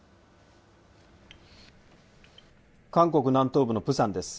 韓国南東部のプサンです。